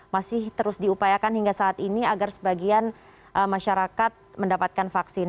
masih terus diupayakan hingga saat ini agar sebagian masyarakat mendapatkan vaksin